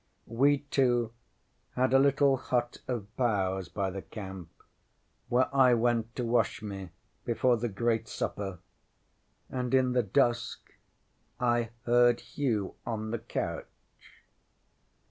We two had a little hut of boughs by the camp, where I went to wash me before the great supper, and in the dusk I heard Hugh on the couch.